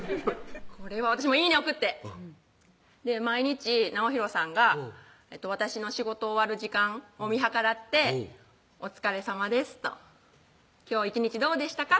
これは私もいいね送って毎日直洋さんが私の仕事終わる時間を見計らって「お疲れさまです」と「今日は１日どうでしたか？」